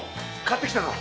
買ってきたぞ。